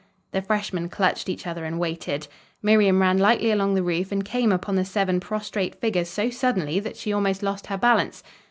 The freshmen clutched each other and waited. Miriam ran lightly along the roof, and came upon the seven prostrate figures so suddenly that she almost lost her balance.